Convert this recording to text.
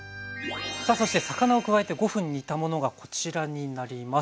さあそして魚を加えて５分煮たものがこちらになります。